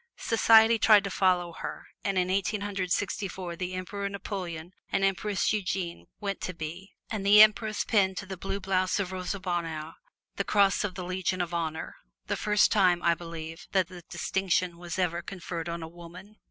Society tried to follow her, and in Eighteen Hundred Sixty four the Emperor Napoleon and Empress Eugenie went to By, and the Empress pinned to the blue blouse of Rosa Bonheur the Cross of the Legion of Honor, the first time, I believe, that the distinction was ever conferred on a woman.